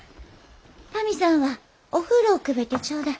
タミさんはお風呂をくべてちょうだい。